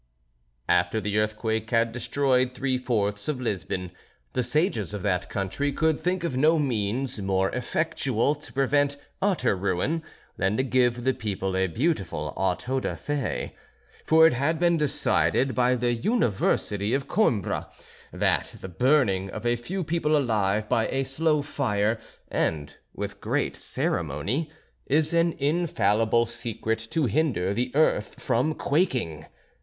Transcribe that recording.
After the earthquake had destroyed three fourths of Lisbon, the sages of that country could think of no means more effectual to prevent utter ruin than to give the people a beautiful auto da fé; for it had been decided by the University of Coimbra, that the burning of a few people alive by a slow fire, and with great ceremony, is an infallible secret to hinder the earth from quaking.